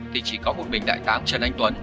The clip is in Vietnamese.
thì chỉ có một bình đại táng trần anh tuấn